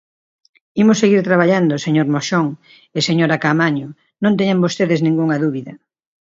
Imos seguir traballando, señor Moxón e señora Caamaño, non teñan vostedes ningunha dúbida.